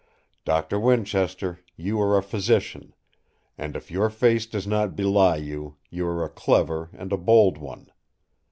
Doctor Winchester, you are a physician; and, if your face does not belie you, you are a clever and a bold one.